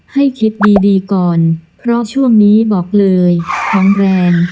ให้คิดดีดีก่อนเพราะช่วงนี้บอกเลยของแรง